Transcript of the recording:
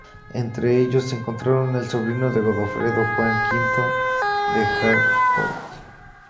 Entre ellos se encontraba el sobrino de Godofredo, Juan V de Harcourt.